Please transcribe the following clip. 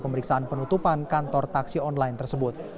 pemeriksaan penutupan kantor taksi online tersebut